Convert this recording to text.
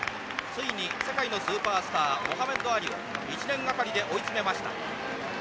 ついに世界のスーパースターモハメド・アリを１年がかりで追い詰めました。